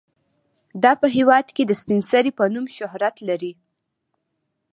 دا په هیواد کې د سپینې سرې په نوم شهرت لري.